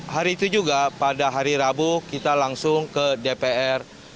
hari itu juga pada hari rabu kita langsung ke dpr